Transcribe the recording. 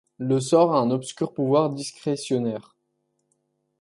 Le sort a un obscur pouvoir discrétionnaire.